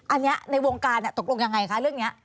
อันนี้ในวงการตกลงยังไงคะเรื่องนี้